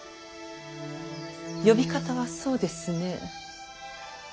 呼び方はそうですね